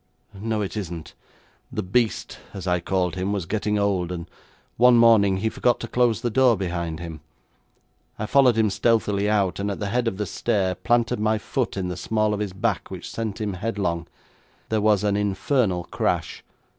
'No, it isn't. The beast, as I called him, was getting old, and one morning he forgot to close the door behind him. I followed him stealthily out, and at the head of the stair planted my foot in the small of his back, which sent him headlong. There was an infernal crash.